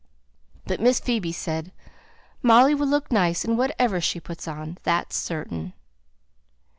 But Miss Phoebe said, "Molly will look very nice in whatever she puts on, that's certain."